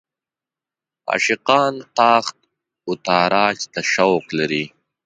عاشقان تاخت او تاراج ته شوق لري.